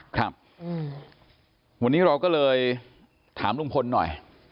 ครับวันนี้เราก็เลยถามลุงพลหน่อย